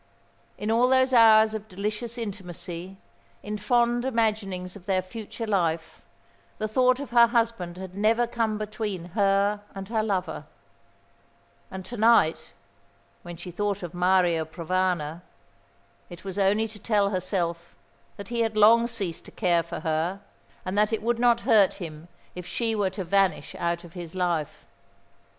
In all those hours of delicious intimacy, in fond imaginings of their future life, the thought of her husband had never come between her and her lover and to night, when she thought of Mario Provana, it was only to tell herself that he had long ceased to care for her, and that it would not hurt him if she were to vanish out of his life.